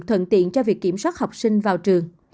thuận tiện cho việc kiểm soát học sinh vào trường